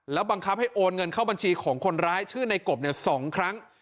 บังคับให้โอนเงินเข้าบัญชีของคนร้ายชื่อในกบ๒ครั้ง